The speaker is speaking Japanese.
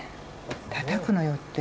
たたくのよって。